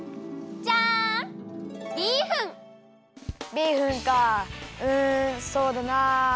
ビーフンかうんそうだな。